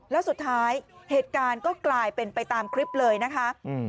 แล้วสุดท้ายเหตุการณ์ก็กลายเป็นไปตามคลิปเลยนะคะอืม